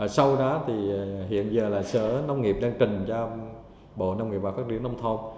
sau đó thì hiện giờ là sở nông nghiệp đang trình cho bộ nông nghiệp và phát triển nông thôn